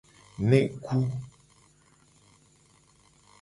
Neku.